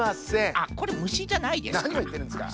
あっこれむしじゃないですか。